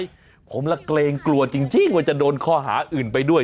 ได้รับความเสียหายผมละเกรงกลัวจริงว่าจะโดนข้อหาอื่นไปด้วย